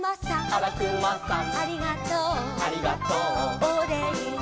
「あらくまさん」「ありがとう」「ありがとう」「おれいに」